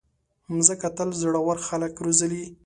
مځکه تل زړور خلک روزلي.